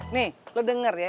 nih lo denger ya